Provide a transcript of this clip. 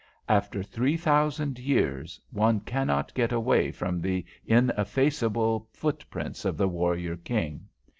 After three thousand years one cannot get away from the ineffaceable footprints of the warrior king.